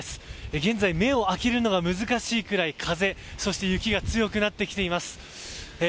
現在、目を開けるのが難しいくらい風、そして雪が強くなってきています。